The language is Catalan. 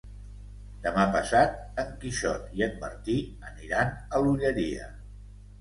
Demà passat en Quixot i en Martí aniran a l'Olleria.